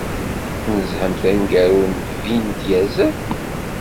Tnezzhemt aneggaru n Vin Diesel?